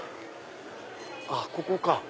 あっここか。